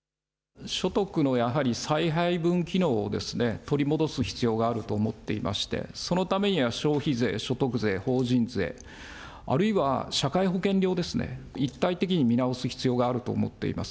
所得のやはり再配分機能を取り戻す必要があると思っていまして、そのためには消費税、所得税、法人税、あるいは社会保険料ですね、一体的に見直す必要があると思っています。